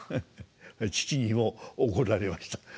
父にも怒られました。